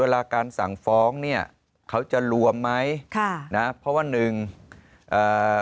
การสั่งฟ้องเนี้ยเขาจะรวมไหมค่ะนะเพราะว่าหนึ่งเอ่อ